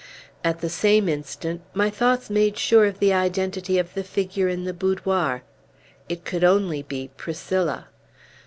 At the same instant, my thoughts made sure of the identity of the figure in the boudoir. It could only be Priscilla.